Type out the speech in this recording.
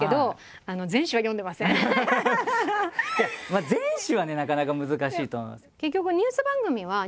まあ全紙はねなかなか難しいと思います。